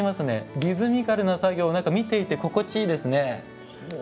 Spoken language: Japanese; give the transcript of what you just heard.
リズミカルな作業何か見ていて心地いいですね。